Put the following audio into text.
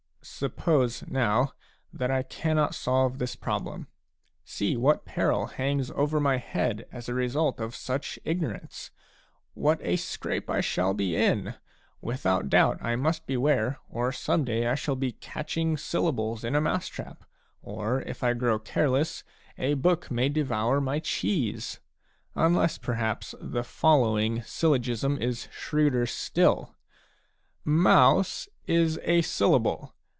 Suppose now that I cannot solve this problem ; see what peril hangs over my head as a result of such ignorance ! What a scrape I shall be in! Without doubt I must beware, or some day I shall be catching syllables in a mousetrap, or, if I grow careless, a book may devour my cheese ! Unless, perhaps, the following syllogism is shrewder still : <e e Mouse ' is a syllable.